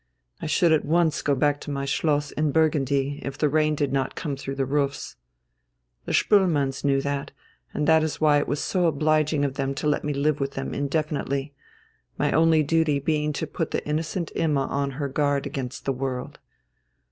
I should at once go back to my Schloss in Burgundy if the rain did not come through the roofs. The Spoelmanns knew that, and that is why it was so obliging of them to let me live with them indefinitely, my only duty being to put the innocent Imma on her guard against the world.